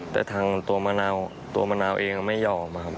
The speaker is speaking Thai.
แต่ทางตัวมานาวตัวมานาวเองก็ไม่ยอม